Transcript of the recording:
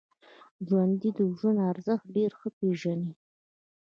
ژوندي د ژوند ارزښت ډېر ښه پېژني